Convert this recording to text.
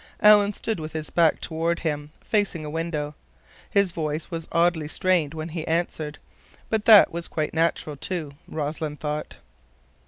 Alan stood with his back toward him, facing a window. His voice was oddly strained when he answered. But that was quite natural, too, Rossland thought.